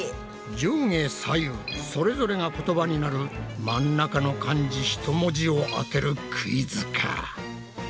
上下左右それぞれが言葉になる真ん中の漢字ひと文字を当てるクイズか。